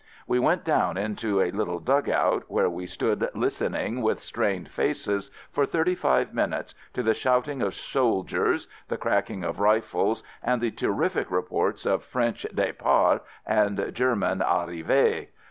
We went down into a little "dugout" where we stood listening with strained faces for thirty five minutes to the shout ing of soldiers, the cracking of rifles, and 46 AMERICAN AMBULANCE the terrific reports of French "departs" and German "arrives."